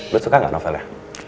lo suka gak novelnya